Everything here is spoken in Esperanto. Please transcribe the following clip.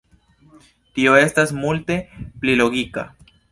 Tio estas multe pli logika!